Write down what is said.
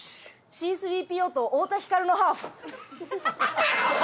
Ｃ−３ＰＯと太田光のハーフ！